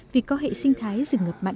vì có hệ sinh thái rừng ngập mặn